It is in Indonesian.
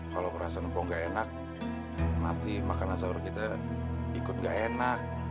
kalau perasaan empong gak enak nanti makanan sahur kita ikut gak enak